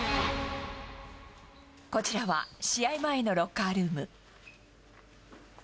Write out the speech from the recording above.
こちらは試合前のロッカールーム。